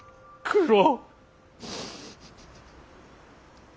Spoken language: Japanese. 九郎！